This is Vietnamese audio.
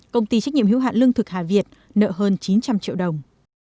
công ty trách nhiệm hiếu hạn lương thực hà việt nợ hơn chín trăm linh triệu đồng